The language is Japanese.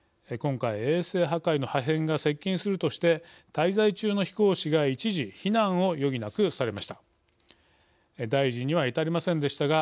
今回、衛星破壊の破片が接近するとして滞在中の飛行士が一時、避難を余儀なくされました。